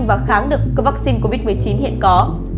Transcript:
và kháng được vaccine covid một mươi chín hiện có